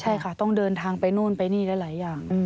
ใช่ค่ะต้องเดินทางไปนู่นไปนี่หลายอย่าง